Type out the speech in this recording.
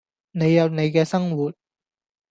你有你嘅生活